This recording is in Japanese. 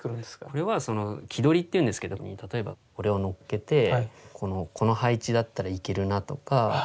これは木取りっていうんですけど例えばこれをのっけてこの配置だったらいけるなとか